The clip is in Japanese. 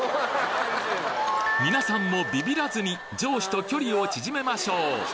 皆さんも上司と距離を縮めましょう！